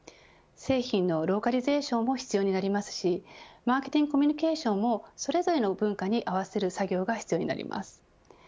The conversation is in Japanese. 製品のローカリゼーションも必要になりますしマーケティングコミュニケーションもそれぞれの文化に合わせる作業が必要になります。